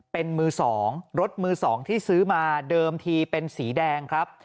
เป็นมือ๒รถมือ๒ที่ซื้อมาเดิมทีเป็นสีแดงครับ